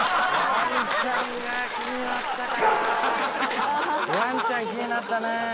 ワンちゃん気になったね。